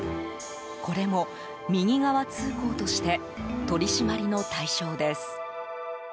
これも右側通行として取り締まりの対象です。